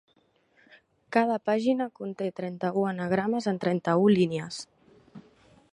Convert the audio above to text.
Cada pàgina conté trenta-u anagrames en trenta-u línies.